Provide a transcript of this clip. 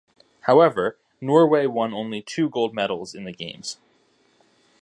However, Norway won only two gold medals in the games.